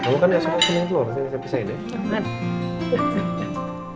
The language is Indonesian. kamu kan esok mau ke minggu lalu kan bisa ya deh